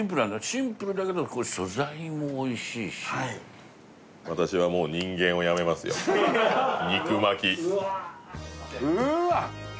シンプルだけどこれ素材もおいしいし私はもう人間をやめますよ・うわっ！